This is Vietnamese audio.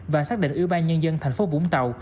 và xác định ủy ban nhân dân thành phố vũng tàu